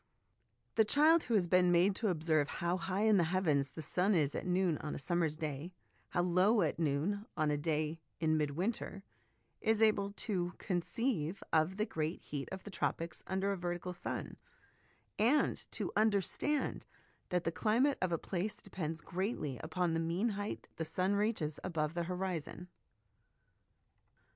The child who has been made to observe how high in the heavens the sun is at noon on a summer's day, how low at noon on a day in mid winter, is able to conceive of the great heat of the tropics under a vertical sun, and to understand that the climate of a place depends greatly upon the mean height the sun reaches above the horizon.